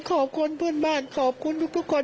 ขอบคุณเพื่อนบ้านขอบคุณทุกคน